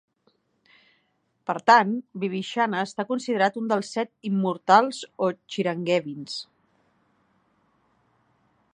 Per tant, Vibhishana està considerat un dels set immortals o Chiranjeevins.